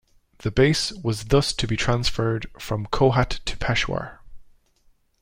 The base was thus to be transferred from Kohat to Peshawar.